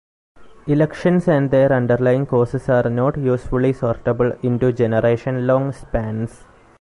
Elections and their underlying causes are not usefully sortable into generation-long spans ...